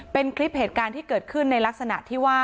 เป็นคลิปเหตุการณ์ที่เกิดขึ้นในลักษณะที่ว่า